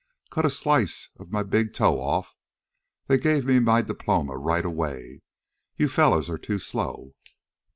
"Cut a slice of my big toe off. They gave me my diploma right away. You fellows are too slow."